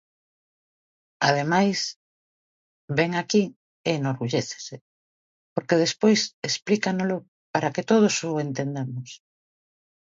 Ademais vén aquí e enorgullécese, porque despois explícanolo para que todos o entendamos.